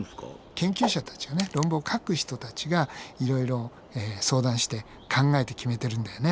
研究者たちがね論文を書く人たちがいろいろ相談して考えて決めてるんだよね。